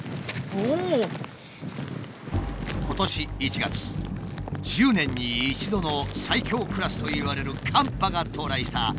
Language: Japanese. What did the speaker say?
今年１月１０年に一度の最強クラスといわれる寒波が到来した。